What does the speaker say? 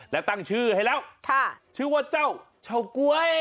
แล้วตั้งชื่อให้แล้วชื่อว่าเจ้าเฉาก๊วย